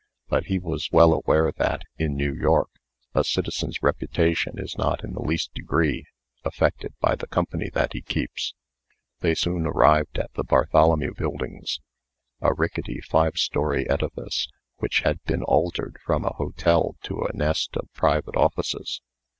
But he was well aware that, in New York, a citizen's reputation is not in the least degree affected by the company that he keeps. They soon arrived at the Bartholomew Buildings a rickety five story edifice, which had been altered from a hotel to a nest of private offices.